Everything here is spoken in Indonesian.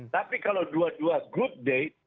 tapi kalau dua dua hari yang bagus